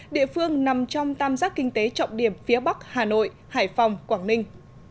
địa phương nằm trong tam giác kinh tế trọng điểm phía bắc hà nội hải phòng quảng ninh